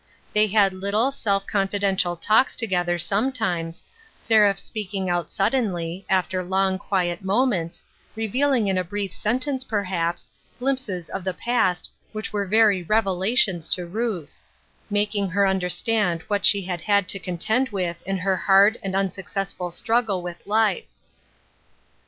They had little, half confi dential talks together sometimes, Seraph speaking out suddenly, after long, quiet moments, revealing in a brief sentence, perhaps, glimpses of the past which were very revelations to Ruth ; making her understand what she had had to contend with in her hard and unsuccessful struggle with life.